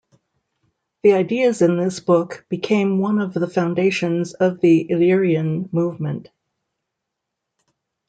The ideas in this book became one of the foundations of the Illyrian Movement.